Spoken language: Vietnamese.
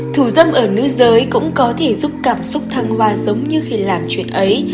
thủ dâm ở nữ giới cũng có thể giúp cảm xúc thăng hoa giống như khi làm chuyện ấy